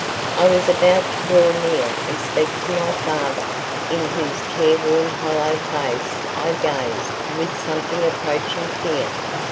I was about to draw near and speak to my father, in whose careworn hollow face I gazed with something approaching fear.